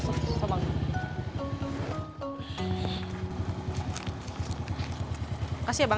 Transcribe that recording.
terima kasih bang